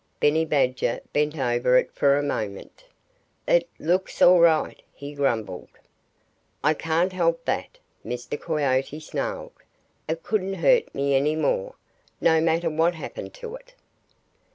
Benny Badger bent over it for a moment. "It looks all right," he grumbled. "I can't help that," Mr. Coyote snarled. "It couldn't hurt me any more, no matter what happened to it."